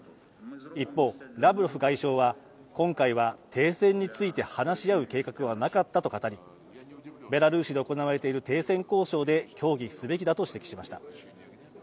一方、ラブロフ外相は今回は停戦について話し合う計画はなかったと語りベラルーシで行われている停戦交渉で協議すべきだと指摘しました。